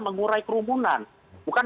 mengurai kerumunan bukan